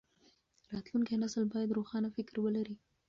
راتلونکی نسل بايد روښانه فکر ولري.